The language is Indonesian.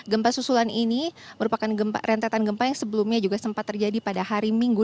gempa susulan ini merupakan gempa rentetan gempa yang sebelumnya juga sempat terjadi pada hari minggu